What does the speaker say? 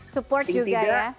support juga ya